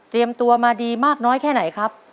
ตัวมาดีมากน้อยแค่ไหนครับ